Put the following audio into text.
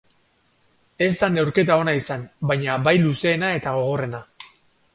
Ez da neurketa ona izan, baina bai luzeena eta gogorrena.